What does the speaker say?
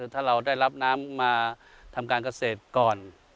ถ้าเราได้รับน้ำมาทำการเกษตรก่อน